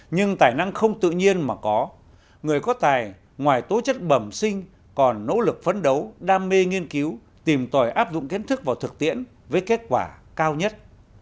nhưng tài năng không tự nhiên mà có người có tài ngoài tố chất bẩm sinh còn nỗ lực phấn đấu đam mê nghiên cứu tìm tòi áp dụng kiến thức vào thực tiễn với kết quả cao nhất